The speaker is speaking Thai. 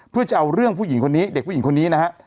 เพื่อจะเอาเรื่องผู้หญิงคนนี้เด็กผู้หญิงคนนี้นะฮะ